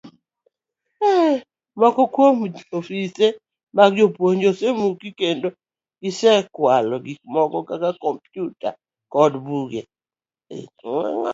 Moko kuom ofise mag jopuonj osemuki, kendo gisekwalo gik moko kaka kompyuta kod buge